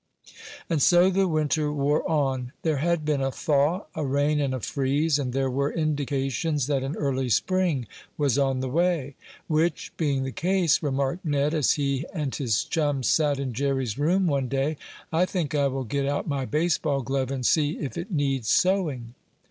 And so the winter wore on. There had been a thaw, a rain and a freeze, and there were indications that an early spring was on the way. "Which, being the case," remarked Ned, as he and his chums sat in Jerry's room one day, "I think I will get out my baseball glove, and see if it needs sewing."